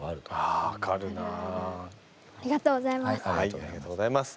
ありがとうございます。